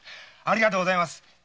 ありがとうございます。